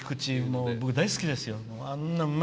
僕、大好きですよ。